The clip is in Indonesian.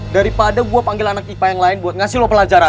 daripada gua panggil anak tipa yang lain buat ngasih lu pelajaran